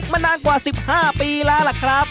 นานกว่า๑๕ปีแล้วล่ะครับ